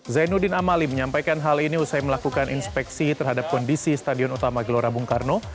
zainuddin amali menyampaikan hal ini usai melakukan inspeksi terhadap kondisi stadion utama gelora bung karno